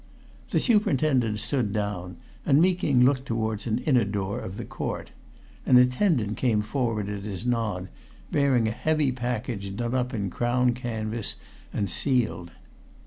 The superintendent stood down, and Meeking looked towards an inner door of the court. An attendant came forward at his nod, bearing a heavy package done up in Crown canvas and sealed.